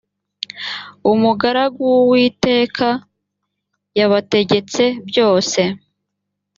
umugaragu w’uwiteka yabategetse byose